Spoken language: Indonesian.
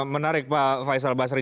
menarik pak faisal basri